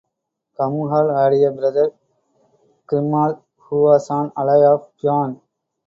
Cumhall had a brother, Crimmal, who was an ally of Fionn.